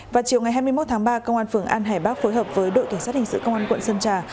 vào chiều ngày hai mươi một tháng ba công an phường an hải bắc phối hợp với đội cảnh sát hình sự công an quận sơn trà